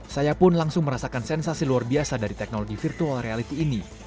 saya pun langsung merasakan sensasi luar biasa dari teknologi virtual reality ini